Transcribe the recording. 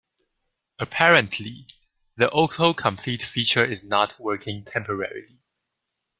Apparently, the autocomplete feature is not working temporarily.